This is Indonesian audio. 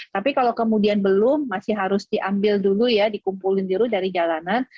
tapi kalau kemudian belum masih harus diambil dulu ya dikumpulin dulu dari jalanan